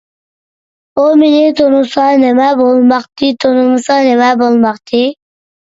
ئۇ مېنى تونۇسا نېمە بولماقچى، تونىمىسا نېمە بولماقچى؟